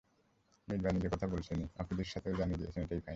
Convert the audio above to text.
মিসবাহ নিজের কথা তো বলেছেনই, আফ্রিদির হয়েও জানিয়ে দিয়েছেন, এটাই ফাইনাল।